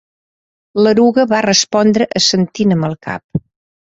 L'eruga va respondre assentint amb el cap.